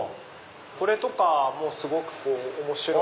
これとかもすごく面白い。